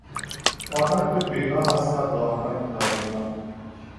آنان که بینا هستند و آنان که نابینا